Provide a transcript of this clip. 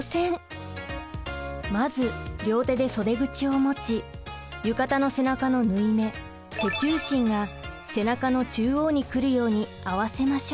まず両手で袖口を持ち浴衣の背中の縫い目背中心が背中の中央に来るように合わせましょう。